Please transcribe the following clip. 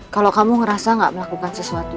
kalau kamu ngerasa gak melakukan sesuatu